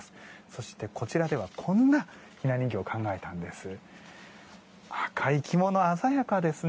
そして、こちらではこんな雛人形を考えたんです。